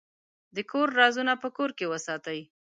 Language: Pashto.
د کور رازونه په کور کې وساتئ.